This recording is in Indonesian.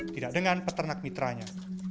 tidak dengan peternak mitranya